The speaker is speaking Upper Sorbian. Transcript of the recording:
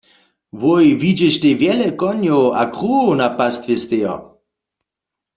Wój widźeštaj wjele konjow a kruwow na pastwje stejo.